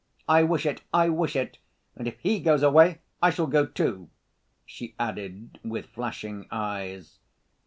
"I wish it, I wish it! And if he goes away I shall go, too!" she added with flashing eyes.